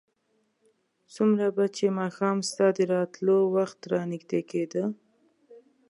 څومره به چې ماښام ستا د راتلو وخت رانږدې کېده.